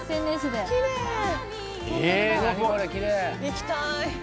行きたい。